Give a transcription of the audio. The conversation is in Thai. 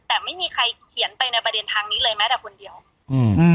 แต่ไม่มีใครเขียนไปในประเด็นทางนี้เลยแม้แต่คนเดียวอืม